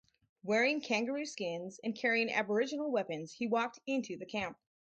Wearing kangaroo skins and carrying Aboriginal weapons, he walked into the camp.